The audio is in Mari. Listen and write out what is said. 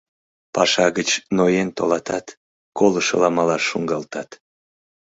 Паша гыч ноен толатат, колышыла малаш шуҥгалтат.